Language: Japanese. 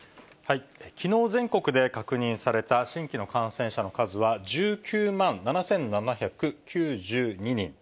きのう、全国で確認された新規の感染者の数は１９万７７９２人。